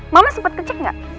mama sempat kecek nggak